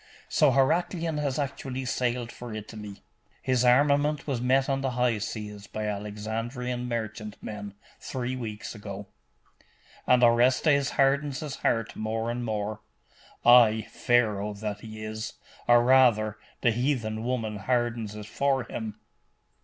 So Heraclian has actually sailed for Italy?' 'His armament was met on the high seas by Alexandrian merchantmen, three weeks ago.' 'And Orestes hardens his heart more and more?' 'Ay, Pharaoh that he is; or rather, the heathen woman hardens it for him.